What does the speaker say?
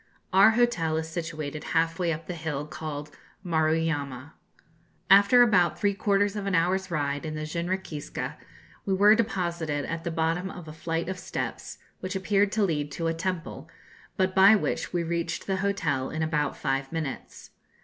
Our hotel is situated half way up the hill called Maruyama. After about three quarters of an hour's ride in the jinrikiska, we were deposited at the bottom of a flight of steps, which appeared to lead to a temple, but by which we reached the hotel in about five minutes.